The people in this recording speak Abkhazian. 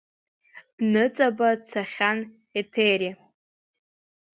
Дныҵаба дцахьан Еҭери…